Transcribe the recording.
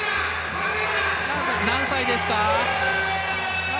何歳ですか？